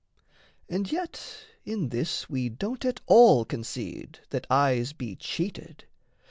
And yet in this we don't at all concede That eyes be cheated.